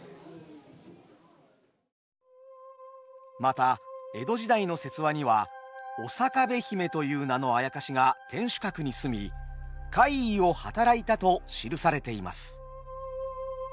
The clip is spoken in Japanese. また江戸時代の説話にはおさかべ姫という名のあやかしが天守閣に棲み怪異をはたらいたと記されています。